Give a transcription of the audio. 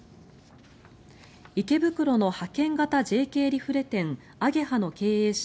池袋の派遣型ＪＫリフレ店ａｇｅ８の経営者